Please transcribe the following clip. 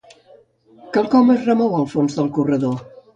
Quelcom es remou al fons del corredor.